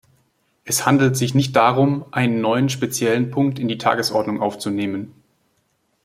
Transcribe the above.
Es handelt sich nicht darum, einen neuen speziellen Punkt in die Tagesordnung aufzunehmen.